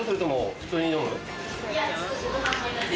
普通に飲む？